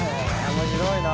面白いな。